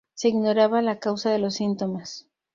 Se ignoraba la causa de los síntomas.